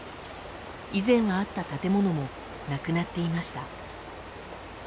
以前はあった建物もなくなっていました。